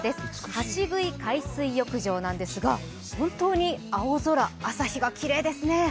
橋杭海水浴場ですが本当に青空、朝日がきれいですね。